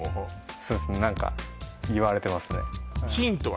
そうですね何か言われてますねヒントは？